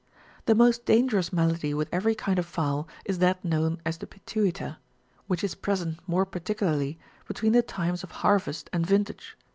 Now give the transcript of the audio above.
The most dangerous malady with every kind of fowl is that known as the pituita ;"*' which is prevalent more par ticularly between the times of harvest and vintage.